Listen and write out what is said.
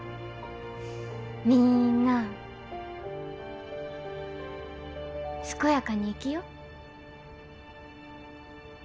みんな健やかに生きよう？